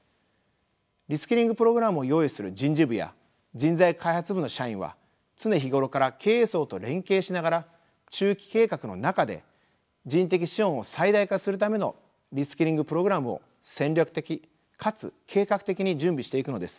リスキリングプログラムを用意する人事部や人材開発部の社員は常日頃から経営層と連携しながら中期計画の中で人的資本を最大化するためのリスキリングプログラムを戦略的かつ計画的に準備していくのです。